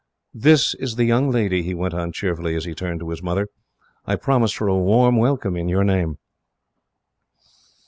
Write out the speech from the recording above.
"This is the young lady," he went on cheerfully, as he turned to his mother. "I promised her a warm welcome, in your name."